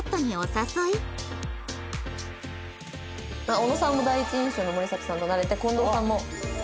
小野さんも第一印象の森咲さんとなれてこんどうさんも。